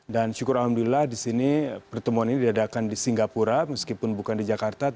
dan syukur alhamdulillah di sini pertemuan ini diadakan di singapura meskipun bukan di jakarta